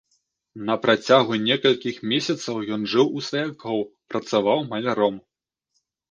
На працягу некалькіх месяцаў ён жыў у сваякоў, працаваў маляром.